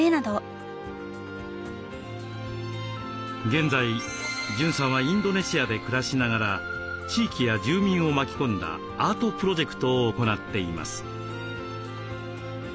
現在潤さんはインドネシアで暮らしながら地域や住民を巻き込んだアートプロジェクトを行っています。